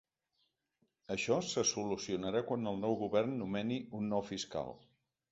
Això se solucionarà quan el nou govern nomeni un nou fiscal.